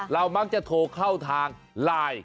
มักจะโทรเข้าทางไลน์